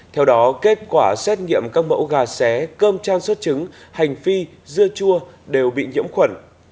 theo đó kết quả xét nghiệm các mẫu gà xé cơm trang xuất trứng hành phi dưa chua đều bị nhiễm khuẩn